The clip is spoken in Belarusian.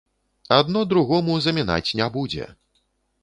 Адно другому замінаць не будзе.